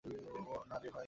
ওহ, না রে ভাই।